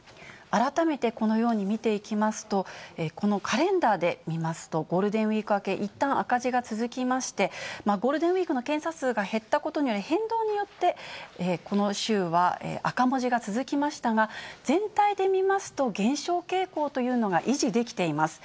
改めて、このように見ていきますと、このカレンダーで見ますと、ゴールデンウィーク明け、いったん赤字が続きまして、ゴールデンウィークの検査数が減ったことによる変動によって、この週は赤文字が続きましたが、全体で見ますと、減少傾向というのが維持できています。